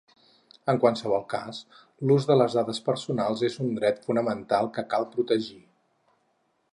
En qualsevol cas, l'ús de les dades personals és un dret fonamental que cal protegir.